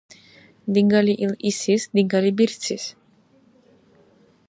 Дигалли ил исис, дигалли — бирцис.